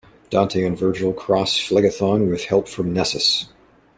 Dante and Vergil cross Phlegethon with help from Nessus.